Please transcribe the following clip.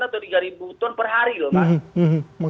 atau tiga ton per hari loh pak